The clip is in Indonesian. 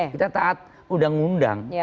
kita taat undang undang